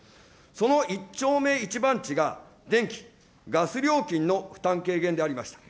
その一丁目一番地が電気・ガス料金の負担軽減でありました。